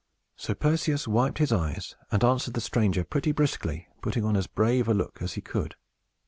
So Perseus wiped his eyes, and answered the stranger pretty briskly, putting on as brave a look as he could.